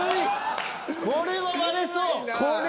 これは割れそう。